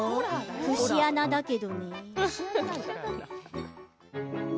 節穴だけど。